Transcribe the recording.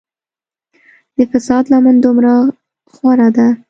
د فساد لمن دومره خوره ده.